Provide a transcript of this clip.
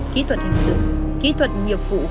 kỹ thuật hình sự kỹ thuật nghiệp vụ